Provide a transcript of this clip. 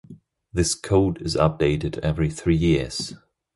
This code is updated every three years.